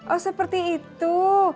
oh seperti itu